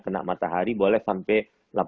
kena matahari boleh sampai